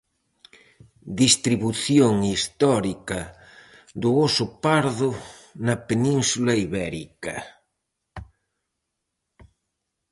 Distribución histórica do oso pardo na Península Ibérica.